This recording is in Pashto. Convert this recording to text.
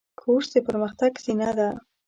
کورس د پرمختګ زینه ده.